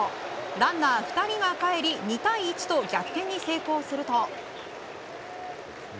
ランナー２人がかえり２対１と逆転に成功すると。